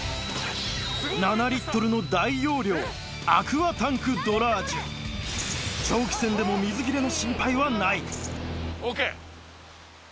７の大容量アクアタンクドラージュ長期戦でも水切れの心配はないＯＫ！